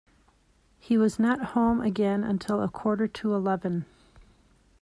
He was not home again until a quarter to eleven.